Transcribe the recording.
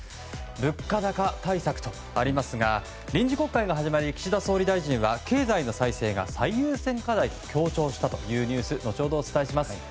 物価高対策とありますが臨時国会が始まり岸田総理大臣は経済の再生が最優先課題と強調したというニュース後ほど、お伝えします。